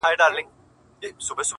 د ژوندون ساز كي ائينه جوړه كړي؛